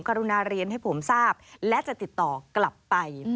กรุณาเรียนให้ผมทราบและจะติดต่อกลับไป